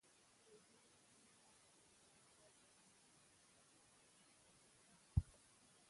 روهيلۍ ، ژمنه ، ژېړکه ، زرغونه ، زاڼه ، زرلښته ، زردانه